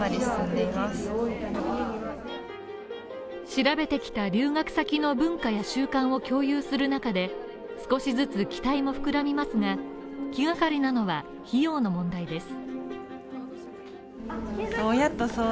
調べてきた留学先の文化や習慣を共有する中で、少しずつ期待も膨らみますが、気がかりなのは費用の問題です。